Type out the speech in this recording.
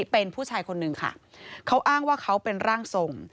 เป็นผู้ชายคนนึงค่ะเขาอ้างว่าเขาเป็นร่างทรง